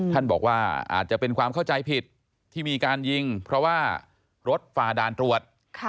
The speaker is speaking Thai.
ท่านบอกว่าอาจจะเป็นความเข้าใจผิดที่มีการยิงเพราะว่ารถฝ่าด่านตรวจ